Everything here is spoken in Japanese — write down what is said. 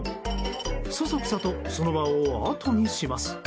そそくさとその場をあとにします。